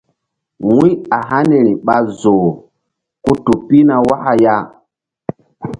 Wu̧y a haniri ɓa zoh ku tu pihna waka ya.